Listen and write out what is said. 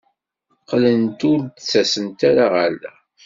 Qqlent ur d-ttasent ara ɣer da.